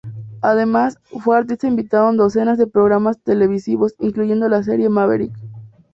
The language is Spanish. Además, fue artista invitado en docenas de programas televisivos, incluyendo la serie "Maverick".